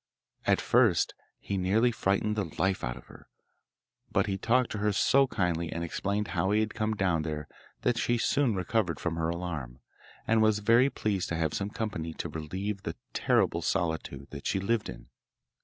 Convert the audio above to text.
At first he nearly frightened the life out of her, but he talked to her so kindly and explained how he had come down there that she soon recovered from her alarm, and was very pleased to have some company to relieve the terrible solitude that she lived in.